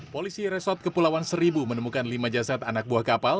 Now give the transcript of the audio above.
polisi resort kepulauan seribu menemukan lima jasad anak buah kapal